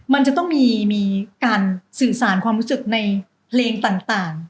มันจะต้องมีการสื่อสารความรู้สึกในเพลงต่าง